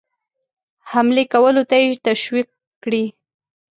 حملې کولو ته یې تشویق کړي.